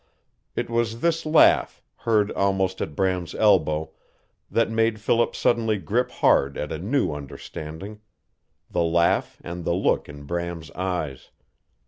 It was this laugh, heard almost at Bram's elbow, that made Philip suddenly grip hard at a new understanding the laugh and the look in Bram's eyes.